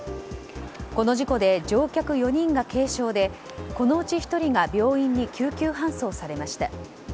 この事故で乗客４人が軽傷でこのうち１人が病院に救急搬送されました。